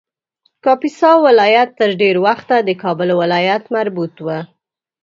کاپیسا ولایت تر ډېر وخته د کابل ولایت مربوط و